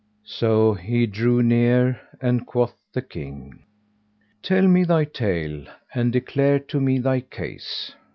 So he drew near and quoth the King, "Tell me thy tale and declare to me thy case."